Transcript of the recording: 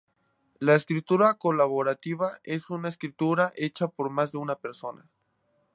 La escritura colaborativa es una escritura hecha por más de una persona.